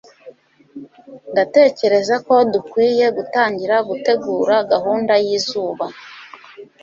ndatekereza ko dukwiye gutangira gutegura gahunda yizuba